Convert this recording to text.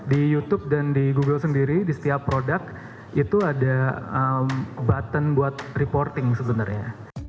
di youtube dan di google sendiri di setiap produk itu ada button buat reporting sebenarnya